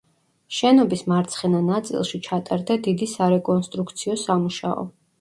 შენობის მარცხენა ნაწილში ჩატარდა დიდი სარეკონსტრუქციო სამუშაო.